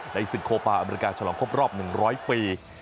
ศึกโคปาอเมริกาฉลองครบรอบ๑๐๐ปี